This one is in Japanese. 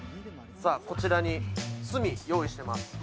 こちらに炭、用意しています。